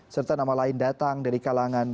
serta nama lain datang dari kalangan